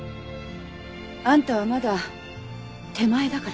あんたはまだ手前だから。